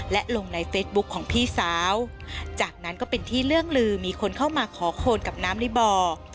และลงในเฟซบุ๊คของพี่สาวจากนั้นก็เป็นที่เรื่องลือมีคนเข้ามาขอโคนกับน้ำในบ่อ